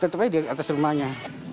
tetap aja di atas rumahnya